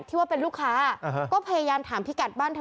ว่าเป็นลูกค้าก็พยายามถามพี่กัดบ้านเธอ